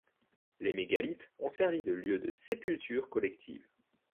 Les mégalithes ont servi de lieu de sépulture collective.